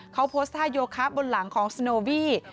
เขาโพสต์ท่าโยคะบนหลังของสโนวี่